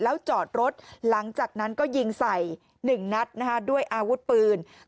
แล้วจอดรถหลังจากนั้นก็ยิงใส่๑นัดด้วยอาวุธปืน